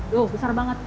duh besar banget